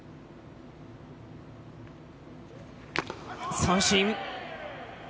三振。